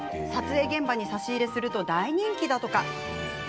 撮影現場に差し入れすると大人気だとか。